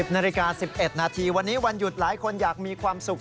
นาฬิกา๑๑นาทีวันนี้วันหยุดหลายคนอยากมีความสุข